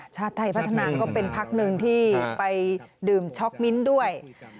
ชาติไทยพัฒนาก็เป็นพักหนึ่งที่ไปดื่มช็อกมิ้นด้วย